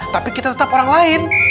tapi kita tetap orang lain